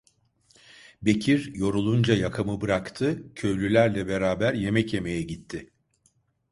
Bekir yorulunca yakamı bıraktı, köylülerle beraber yemek yemeye gitti.